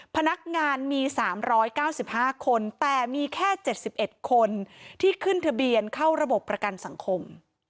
พนักงานมี๓๙๕คนแต่มีแค่๗๑คนที่ขึ้นทะเบียนเข้าระบบประกันสังคม